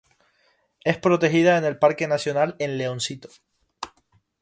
Es protegida en el parque nacional El Leoncito.